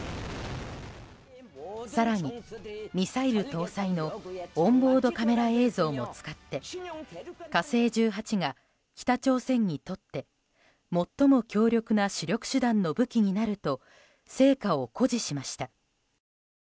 更に、ミサイル搭載のオンボードカメラ映像も使って「火星１８」が北朝鮮にとってもっとも強力な主力手段の武器になると成果を誇示しました。